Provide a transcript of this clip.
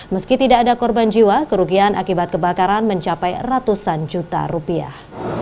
meski tidak ada korban jiwa kerugian akibat kebakaran mencapai ratusan juta rupiah